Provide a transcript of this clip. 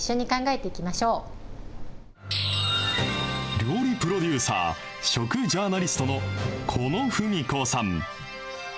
料理プロデューサー、食ジャーナリストの狐野扶実子さん。